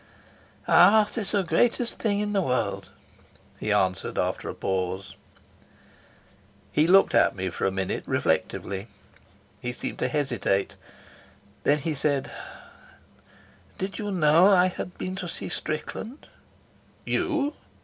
"Art is the greatest thing in the world," he answered, after a pause. He looked at me for a minute reflectively; he seemed to hesitate; then he said: "Did you know that I had been to see Strickland?" "You?"